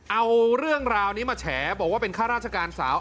เอาเรื่องราวนี้มาแฉบอกว่าเป็นข้าราชการสาว